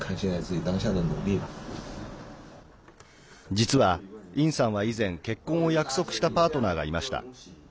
実は殷さんは以前、結婚を約束したパートナーがいました。